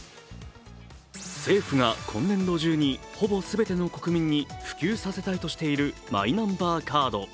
政府が今年度中にほぼ全ての国民に普及させたいとしているマイナンバーカード。